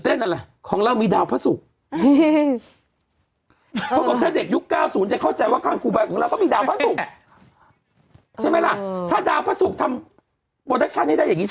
ใช่ไหมล่ะถ้าดาวพระสุกทำกับประดับแชนให้ได้อย่างงี้